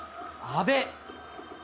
阿部。